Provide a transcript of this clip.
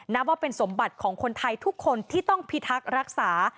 นับว่าเป็นสมบัติของคนไทยทุกคนที่ต้องพิทักษ์รักษา